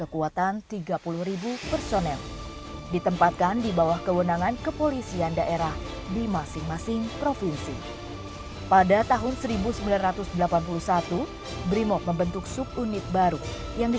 kita kayaknya punya tetangga baru tuh bang